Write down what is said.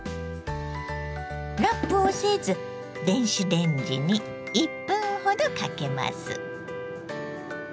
ラップをせず電子レンジに１分ほどかけます。